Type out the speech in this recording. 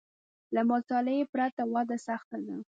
له مطالعې پرته وده سخته ده